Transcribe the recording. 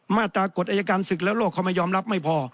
มาตรากฎอายการศึกและโลกเขาไม่ยอมรับไม่พอ